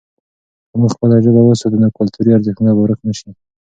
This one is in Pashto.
که موږ خپله ژبه وساتو، نو کلتوري ارزښتونه به ورک نه سي.